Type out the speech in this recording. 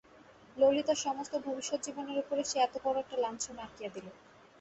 ললিতার সমস্ত ভবিষ্যৎ জীবনের উপরে সে এত বড়ো একটা লাঞ্ছনা আঁকিয়া দিল!